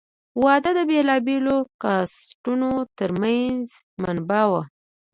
واده د بېلابېلو کاسټانو تر منځ منع وو.